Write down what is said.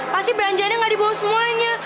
pasti belanjaannya nggak dibawa semuanya